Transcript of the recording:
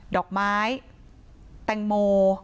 ดอกไม้แตงโม